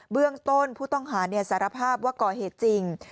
เบื้องต้นผู้ต้องหาสารภาพว่าก่อเหตุจริง